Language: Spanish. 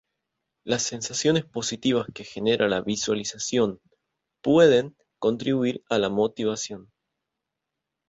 Las sensaciones positivas que genera la visualización pueden contribuir a la motivación.